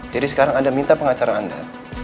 jadi sekarang anda minta pengacara anda